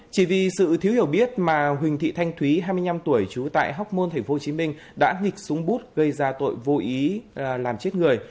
chỉ vì sự thiếu hiểu biết mà huỳnh thị thanh thúy hai mươi năm tuổi trú tại học môn tp hcm đã nghịch súng bút gây ra tội vô ý làm chết người